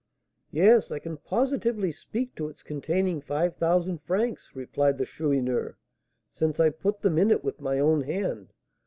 "Yes, I can positively speak to its containing five thousand francs," replied the Chourineur, "since I put them in it with my own hand.